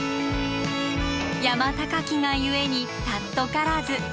山高きが故に貴からず。